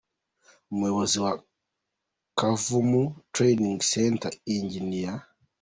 Umuyobozi wa Kavumu Training Center, Eng.